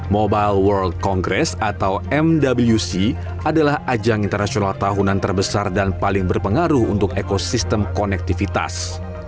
mobile world congress atau mwc adalah ajang internasional tahunan terbesar dan paling berpengaruh untuk ekosistem konektivitas